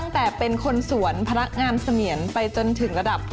ทศวรรษนี่อะไรนะ